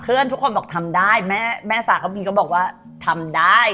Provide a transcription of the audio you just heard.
ทุกคนบอกทำได้แม่สากะบินก็บอกว่าทำได้